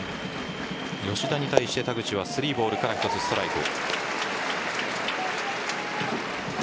吉田に対して田口は３ボールから１つストライク。